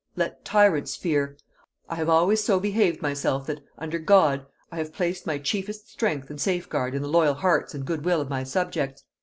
Let tyrants fear: I have always so behaved myself that, under God, I have placed my chiefest strength and safeguard in the loyal hearts and good will of my subjects.